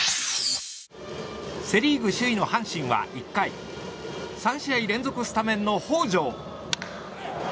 セ・リーグ首位の阪神は１回３試合連続スタメンの北條。